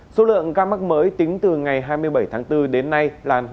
số lượng ca mắc mới tính từ ngày hai mươi bảy tháng bốn đến nay là năm tám trăm bảy mươi năm ca